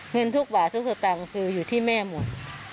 เงินทุกบาททุกสตางค์คืออยู่ที่แม่หมด